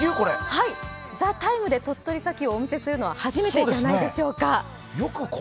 「ＴＨＥＴＩＭＥ，」で鳥取砂丘をお見せするのは初めてじゃないでしょうか。